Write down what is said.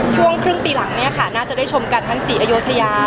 ช่วงครึ่งปีหลังเนี่ยค่ะน่าจะได้ชมกันทั้งศรีอยุธยา